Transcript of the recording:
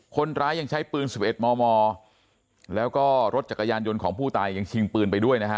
คนร้ายยังใช้ปืน๑๑มมแล้วก็รถจักรยานยนต์ของผู้ตายยังชิงปืนไปด้วยนะฮะ